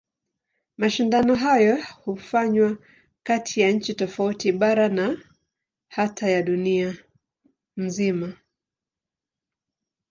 Mashindano hayo hufanywa kati ya nchi tofauti, bara na hata ya dunia nzima.